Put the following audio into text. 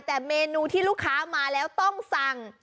แต่เมนูที่ลูกค้ามาแล้วต้องสั่ง